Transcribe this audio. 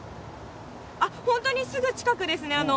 本当にすぐ近くですね。